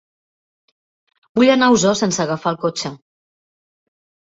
Vull anar a Osor sense agafar el cotxe.